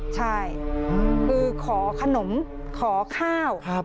ใช่คือขอขนมขอข้าว